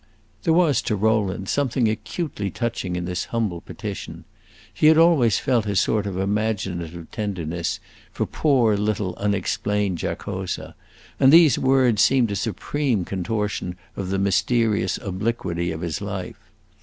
There was, to Rowland, something acutely touching in this humble petition. He had always felt a sort of imaginative tenderness for poor little unexplained Giacosa, and these words seemed a supreme contortion of the mysterious obliquity of his life.